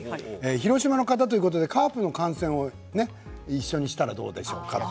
広島の方ということでカープの観戦を一緒にしたらどうでしょうか。